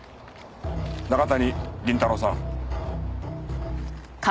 中谷銀太郎さん。